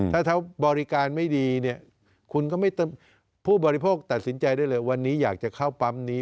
ถ้าเขาบริการไม่ดีเนี่ยคุณก็ไม่ผู้บริโภคตัดสินใจได้เลยวันนี้อยากจะเข้าปั๊มนี้